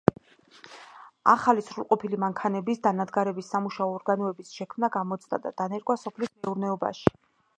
ახალი სრულყოფილი მანქანების, დანადგარების, სამუშაო ორგანოების შექმნა, გამოცდა და დანერგვა სოფლის მეურნეობაში.